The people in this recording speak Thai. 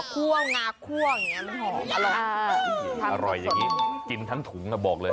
เขาก็มาสวนกรยาศาสตร์กันแบบนี้เห็นไหม